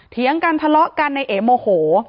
เถียงกันทะเลาะกันในเอโมโห